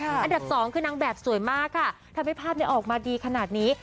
อันดับสองคือนางแบบสวยมากค่ะทำให้ภาพออกมาดีขนาดนี้